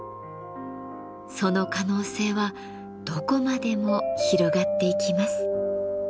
その可能性はどこまでも広がっていきます。